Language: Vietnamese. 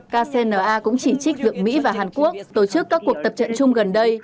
kcna cũng chỉ trích việc mỹ và hàn quốc tổ chức các cuộc tập trận chung gần đây